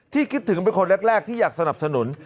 คิดถึงเป็นคนแรกที่อยากสนับสนุน